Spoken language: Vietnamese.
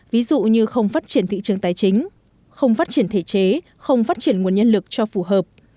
ví dụ như không phát triển thị trường tài chính không phát triển thể chế không phát triển nguồn nhân lực cho phù hợp